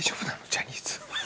ジャニーズ。